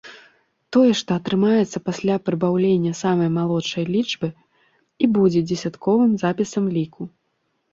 Тое, што атрымаецца пасля прыбаўлення самай малодшай лічбы, і будзе дзесятковым запісам ліку.